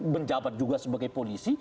menjabat juga sebagai polisi